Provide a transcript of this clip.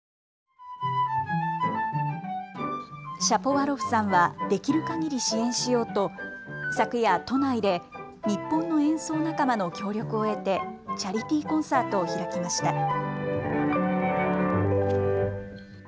シャポワロフさんはできるかぎり支援しようと昨夜、都内で日本の演奏仲間の協力を得てチャリティーコンサートを開きました。